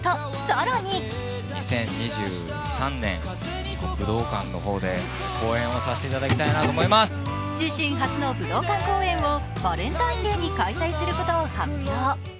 更に自身初の武道館公演をバレンタインデーに開催することを発表。